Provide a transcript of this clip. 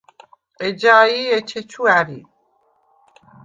ეჯაი̄ ეჩეჩუ ა̈რი.